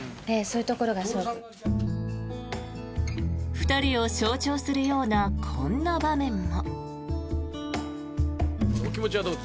２人を象徴するようなこんな場面も。